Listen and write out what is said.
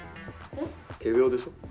えっ？仮病でしょ？